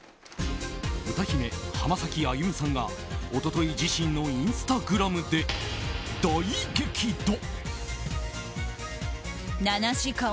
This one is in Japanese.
歌姫、浜崎あゆみさんが一昨日自身のインスタグラムで大激怒。